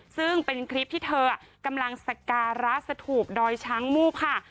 ซึ่งเป็นคลิปที่เธอกำลังสการะสถูปดอยช้างมูกค่ะ